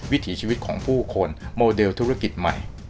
วิถีชีวิตของผู้คนโมเดลธุรกิจใหม่